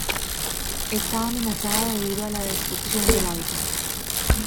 Está amenazada debido a la destrucción del hábitat.